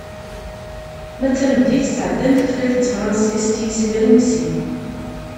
Ma d tameddit, sɛeddan tutlayt n tefransist i yiswiren deg sin.